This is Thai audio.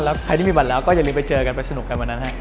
แล้วใครที่มีบัตรแล้วก็อย่าลืมไปเจอกันไปสนุกกันวันนั้นฮะ